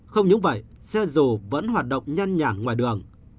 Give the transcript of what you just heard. không những vậy xe dù vẫn hoạt động nhanh nhản ngoài đường